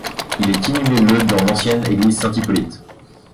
Il est inhumé le dans l'ancienne église St-Hippolyte.